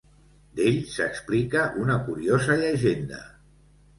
D'ell s'explica una curiosa llegenda.